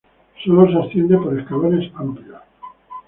Solo se asciende por escalones amplios.